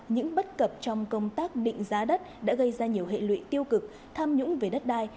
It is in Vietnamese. những bất cập trong công tác định giá đất đã gây ra nhiều hệ lụy tiêu cực tham nhũng về đất đai